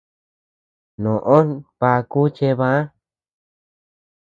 Noʼó nbaku chebäa.